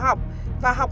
và học các chất hóa học